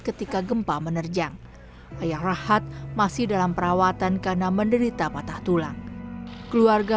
ketika gempa menerjang ayah rahat masih dalam perawatan karena menderita patah tulang keluarga